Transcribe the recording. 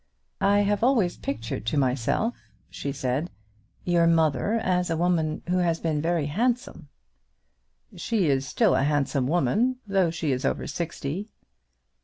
"I have always pictured to myself," she said, "your mother as a woman who has been very handsome." "She is still a handsome woman, though she is over sixty."